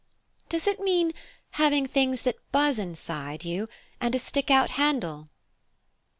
"Does it mean having things that buzz inside you and a stick out handle?"